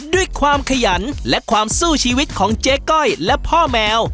ด้วยความขยันและความสู้ชีวิตของเจ๊ก้อยและพ่อแมว